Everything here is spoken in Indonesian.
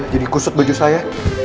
jadi kusut bajunya